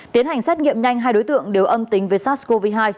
tiến hành xét nghiệm nhanh hai đối tượng đều âm tính với sars cov hai